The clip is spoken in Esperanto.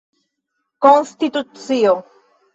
konstitucio